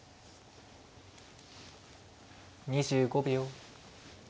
２５秒。